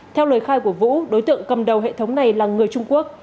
theo lời khai của vũ đối tượng cầm đầu hệ thống này là người trung quốc